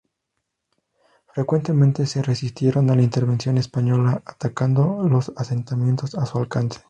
Frecuentemente se resistieron a la intervención española, atacando los asentamientos a su alcance.